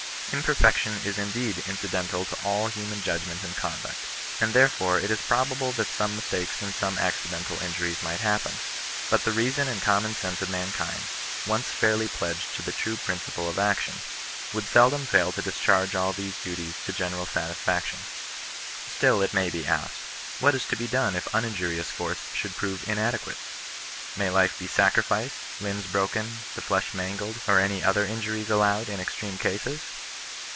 Imperfection is indeed incidental to all human judgment and conduct; and therefore it is pro bable that some mistakes and some accidental injuries might happen. But the reason and common sense of sumkind, once fairly pledged to the true principle ^1 action, would seldom fail to discharge aWtVos^ ^m\I\^<^ \^ genena fiatisfaction. Stillit nxay bQukM;— ""^^^^"^ 10 GHBISTIAN NON BESISTANOE. to be done if uninjurious force should prove inadequate ? May life be sacrificed, limbs broken, the flesh mangled, or any other injuries allowed in extreme cases